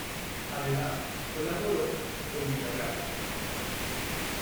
Además, colaboró con Vitagraph.